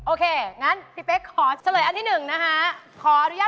โอเคงั้นพี่เป๊กขอเฉลยอันที่๑นะคะ